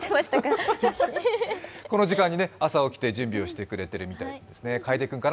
この時間に朝起きて準備してくれてるみたいですね。